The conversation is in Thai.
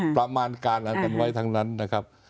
ประมาณการอะไรกันไว้ทั้งนั้นนะครับ